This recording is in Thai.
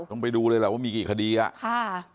ต้องไปดูเลยล่ะว่ามีกี่คดีอ่ะ